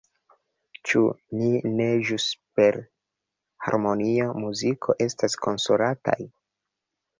Ĉu ni ne ĵus per harmonia muziko estas konsolataj?